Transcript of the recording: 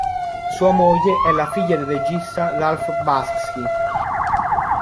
Sua moglie è la figlia del regista Ralph Bakshi.